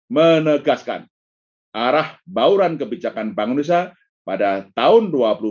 menegaskan arah bauran kebijakan bank indonesia pada tahun dua ribu dua puluh